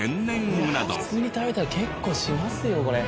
普通に食べたら結構しますよこれ。